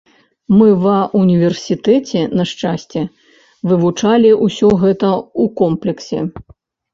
Мы ва ўніверсітэце, на шчасце, вывучалі ўсё гэта ў комплексе.